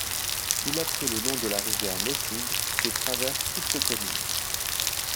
Il a pris le nom de la rivière Mossig qui traverse toutes ces communes.